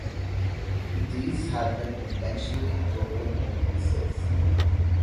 These had been intentionally broken in pieces.